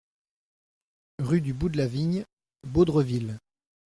Rue du Bout de la Vigne, Baudreville